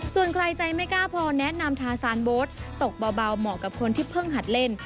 ส่วนใครใจไม่กล้าพอแนะนำทาซานโบ๊ทตกเบาเหมาะกับคนที่เพิ่งหัดเล่น